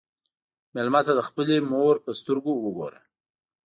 مېلمه ته د خپلې مور په سترګو وګوره.